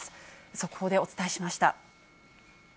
速報でお伝えしました。